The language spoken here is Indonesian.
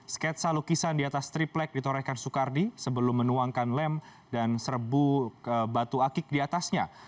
sketsa lukisan di atas triplek ditorehkan soekardi sebelum menuangkan lem dan serbu batu akik di atasnya